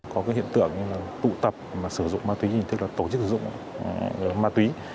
có hiện tượng tụ tập sử dụng ma túy tức là tổ chức sử dụng ma túy